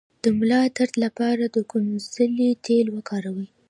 د ملا درد لپاره د کونځلې تېل وکاروئ